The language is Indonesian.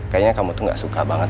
kayaknya kamu tuh gak suka banget